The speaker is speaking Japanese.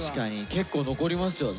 結構残りますよね。